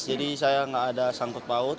jadi saya gak ada sangkut baut